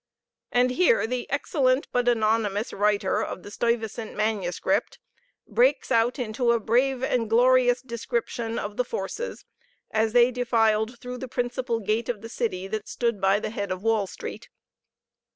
And here the excellent but anonymous writer of the Stuyvesant manuscript breaks out into a brave and glorious description of the forces, as they defiled through the principal gate of the city, that stood by the head of Wall Street.